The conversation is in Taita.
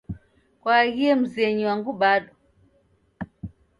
Kwaaghie mzenyu angu bado?